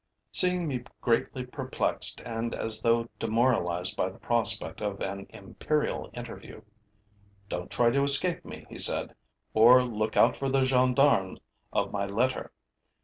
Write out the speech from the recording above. Seeing me greatly perplexed and as though demoralized by the prospect of an imperial interview: 'Don't try to escape me,' he said, 'or look out for the gendarmes of my letter!